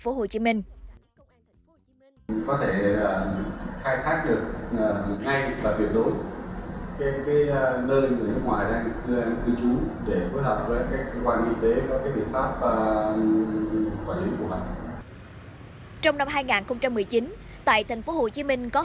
tại tp hcm có thể khai thác được ngay và biểu đối nơi người nước ngoài đang cư trú để phối hợp với các cơ quan y tế có biện pháp quản lý phù hợp